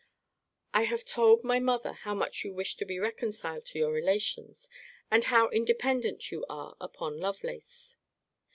I have told my mother how much you wish to be reconciled to your relations, and how independent you are upon Lovelace.